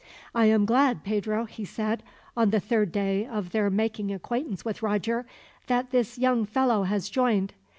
"I am glad, Pedro," he said, on the third day of their making acquaintance with Roger, "that this young fellow has joined.